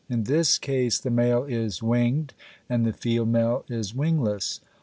In this case the male is winged and the female is wingless.